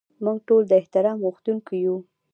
موږ ټول د احترام غوښتونکي یو.